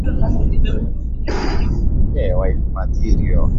cha ukubwa mkubwa baada ya simba na tigers